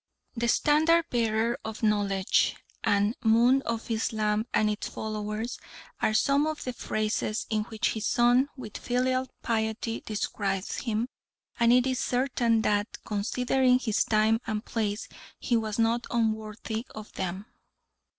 The "Standard bearer of knowledge" and "Moon of Islam and its followers" are some of the phrases in which his son with filial piety describes him, and it is certain that, considering his time and place, he was not unworthy of them.